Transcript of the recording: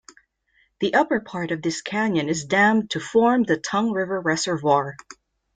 The upper part of this canyon is dammed to form the Tongue River Reservoir.